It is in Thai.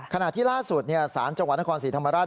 ขณะที่ล่าสุดสารจังหวัดนครศรีธรรมราช